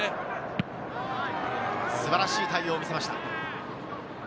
素晴らしい対応を見せました。